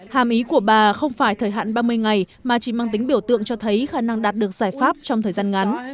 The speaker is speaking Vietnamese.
hàm ý của bà không phải thời hạn ba mươi ngày mà chỉ mang tính biểu tượng cho thấy khả năng đạt được giải pháp trong thời gian ngắn